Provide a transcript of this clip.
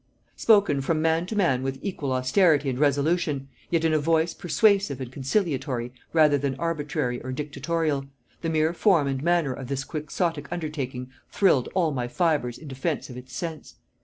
Spoken from man to man with equal austerity and resolution, yet in a voice persuasive and conciliatory rather than arbitrary or dictatorial, the mere form and manner of this quixotic undertaking thrilled all my fibres in defiance of its sense.